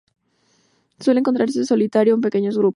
Suele encontrarse en solitario o en pequeños grupos.